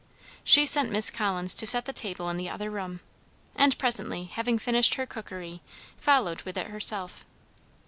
She sent Miss Collins to set the table in the other room, and presently, having finished her cookery, followed with it herself.